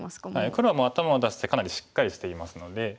黒はもう頭を出してかなりしっかりしていますので。